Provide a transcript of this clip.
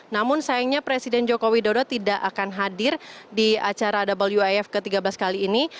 namun sayangnya presiden joko widodo tidak akan hadir di acara wif ke tiga belas kali ini